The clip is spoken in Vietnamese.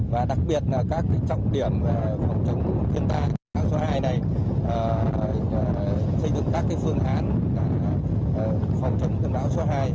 và đặc biệt là các trọng điểm phòng chống thiên tai số hai này xây dựng các phương án phòng chống cơn bão số hai